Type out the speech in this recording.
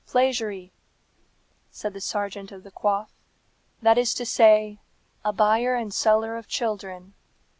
"Plagiary," said the serjeant of the coif. "That is to say, a buyer and seller of children.